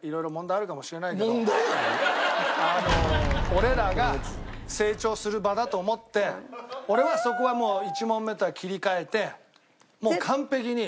俺らが成長する場だと思って俺はそこはもう１問目とは切り替えてもう完璧に。